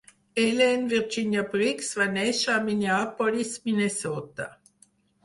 Helen Virginia Briggs va néixer a Minneapolis (Minnesota).